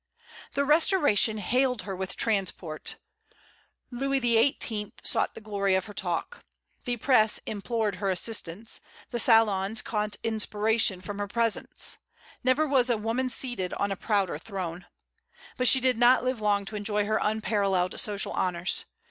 The Restoration hailed her with transport; Louis XVIII. sought the glory of her talk; the press implored her assistance; the salons caught inspiration from her presence. Never was woman seated on a prouder throne. But she did not live long to enjoy her unparalleled social honors.